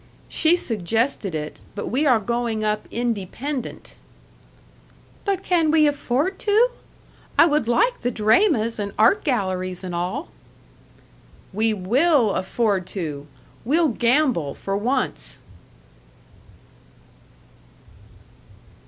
"She suggested it, but we are going up independent." "But can we afford to?... I would like the draymas and art galleries and all!" "We will afford to! We'll gamble, for once!"